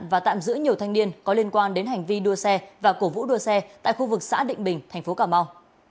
và tạm giữ nhiều thanh niên có liên quan đến hành vi đua xe và cổ vũ đua xe tại khu vực xã định bình thành phố cà mau